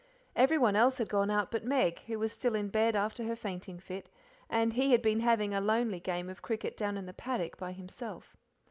Everyone else had gone out but Meg, who was still in bed after her fainting fit, and he had been having a lonely game of cricket down in the paddock by himself.